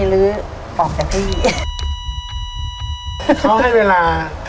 เค้าให้เวลา